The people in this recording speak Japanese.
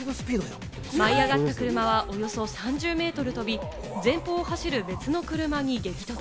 舞い上がった車はおよそ３０メートル飛び、前方を走る別の車に激突。